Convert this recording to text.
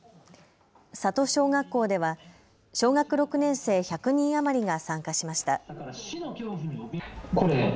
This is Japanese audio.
里小学校では小学６年生１００人余りが参加しました。